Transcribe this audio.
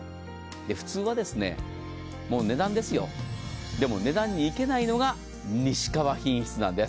普通は、もう値段ですよ、でも値段にいけないのが西川品質なんです。